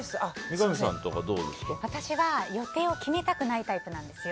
私は予定を決めたくないタイプなんですよ。